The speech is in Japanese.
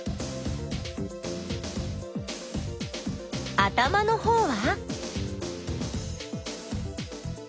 頭のほうは？